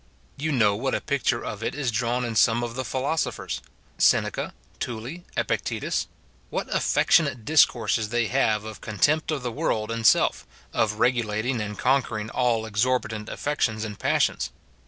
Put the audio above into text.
You know what a picture of it is drawn in some of the philosophers, — Seneca, Tully, Epictetus ; what affectionate discourses they have of contempt of the world and self, of regulat ing and conquering all exorbitant affections and passions